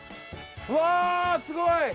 わぁすごい！